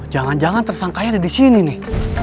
jangan jangan tersangkanya ada di sini nih